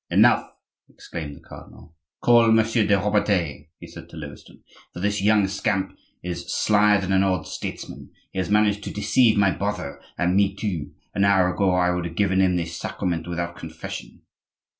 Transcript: "Enough!" exclaimed the cardinal. "Call Monsieur de Robertet," he said to Lewiston, "for this young scamp is slyer than an old statesman; he has managed to deceive my brother, and me too; an hour ago I would have given him the sacrament without confession."